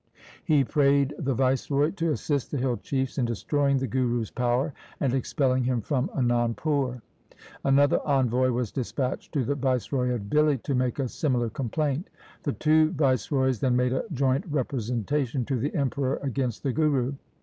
He prayed the viceroy to assist the hill chiefs in destroying the Guru's power and expelling him from Anandpur. Another envoy was dispatched to the viceroy of Dihli to make a similar complaint. The two viceroys then made a joint representation to the Emperor against the Guru.